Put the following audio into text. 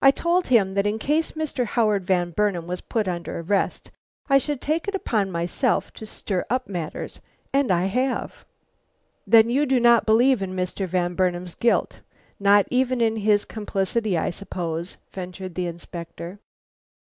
I told him that in case Howard Van Burnam was put under arrest, I should take it upon myself to stir up matters; and I have." "Then you do not believe in Mr. Van Burnam's guilt? Not even in his complicity, I suppose?" ventured the Inspector.